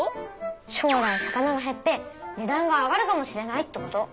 将来魚が減って値段が上がるかもしれないってこと。